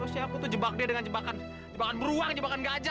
harusnya aku tuh jebak dia dengan jebakan beruang jebakan gajah